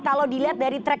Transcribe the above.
kalau dilihat dari track